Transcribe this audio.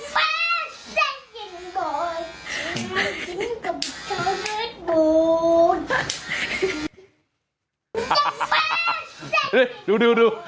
สมัครคราวเด็ก